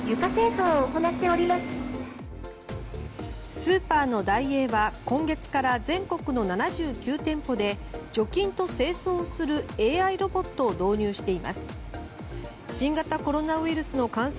スーパーのダイエーは今月から全国の９７店舗で除菌と清掃をするＡＩロボットを導入しています。